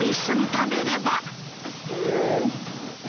うーん。